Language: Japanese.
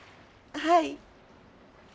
はい？